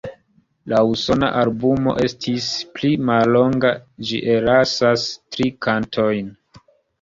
La Usona albumo estis pli mallonga; ĝi ellasas tri kantojn.